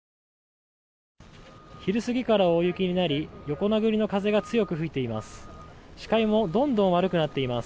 昼過ぎから大雪になり横殴りの風が強く吹いています。